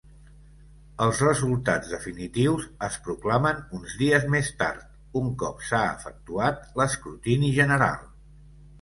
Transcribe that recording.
Els resultats definitius es proclamen uns dies més tard, un cop s'ha efectuat l'escrutini general.